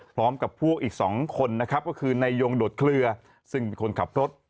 พร้อมกับพวกอีก๒คนนะครับก็คือนายยงโดดเคลือซึ่งเป็นคนขับรถ